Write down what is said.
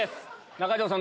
中条さん